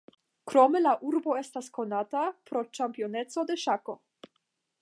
Krome la urbo estas konata pro ĉampioneco de ŝako.